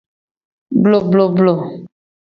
Blobloblo.